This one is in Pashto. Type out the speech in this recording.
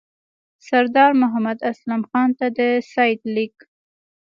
سردار محمد اسلم خان ته د سید لیک.